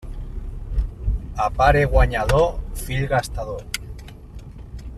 A pare guanyador, fill gastador.